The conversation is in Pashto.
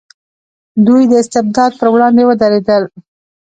دوی د استبداد پر وړاندې ودرېدل.